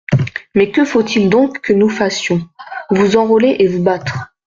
»Mais que faut-il donc que nous fassions ? »Vous enrôler et vous battre.